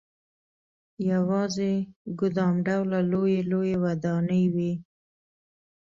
یوازې ګدام ډوله لويې لويې ودانۍ وې.